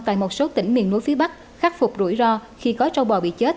tại một số tỉnh miền núi phía bắc khắc phục rủi ro khi có trâu bò bị chết